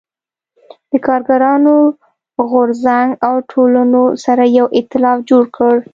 د کارګرانو غو رځنګ او ټولنو سره یو اېتلاف جوړ کړ.